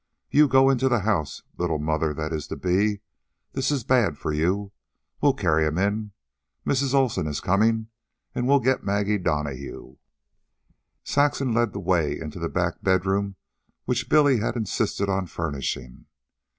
"You go into the house, little mother that is to be. This is bad for you. We'll carry him in. Mrs. Olsen is coming, and we'll get Maggie Donahue." Saxon led the way into the back bedroom which Billy had insisted on furnishing.